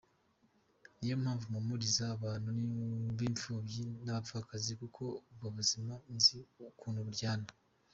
Niyo mpamvu mpumuriza abantu b’imfubyi n’abapfakazi kuko ubwo buzima nzi ukuntu buryana.